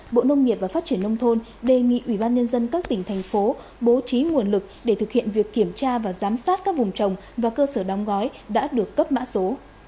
bộ nông nghiệp và phát triển nông thôn đề nghị ủy ban nhân dân các tỉnh thành phố bố trí nguồn lực để thực hiện việc kiểm tra và giám sát các vùng trồng và cơ sở đóng gói đã được cấp mã số